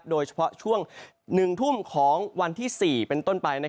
โดยเฉพาะช่วง๑ทุ่มของวันที่๔เป็นต้นไป